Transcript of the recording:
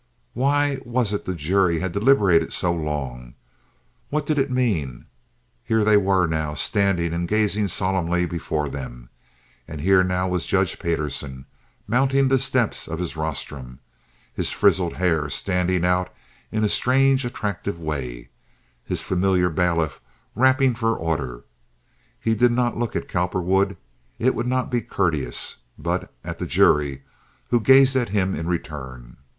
Why was it the jury had deliberated so long? What did it mean? Here they were now, standing and gazing solemnly before them; and here now was Judge Payderson, mounting the steps of his rostrum, his frizzled hair standing out in a strange, attractive way, his familiar bailiff rapping for order. He did not look at Cowperwood—it would not be courteous—but at the jury, who gazed at him in return.